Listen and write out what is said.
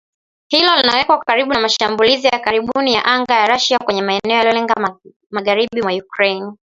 Hilo linawaweka karibu na mashambulizi ya karibuni ya anga ya Russia kwenye maeneo yaliyolenga magharibi mwa Ukraine